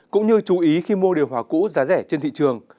cũng như chú ý khi mua điều hòa cũ giá rẻ trên thị trường